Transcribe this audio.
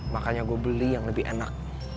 makanya gue beli yang lebih enak